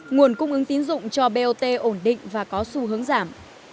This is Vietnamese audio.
nguồn cung ứng tín dụng cho bot ổn định và có xu hướng giảm